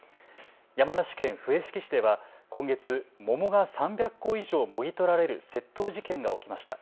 山梨県笛吹市では今月、桃が３００個以上もぎ取られる窃盗事件が起きました。